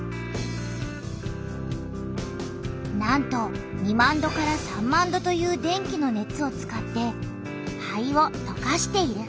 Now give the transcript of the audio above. なんと２万度３万度という電気の熱を使って灰を溶かしている。